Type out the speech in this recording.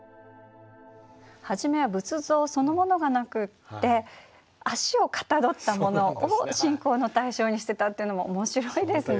初めは仏像そのものがなくって足をかたどったものを信仰の対象にしてたっていうのも面白いですね。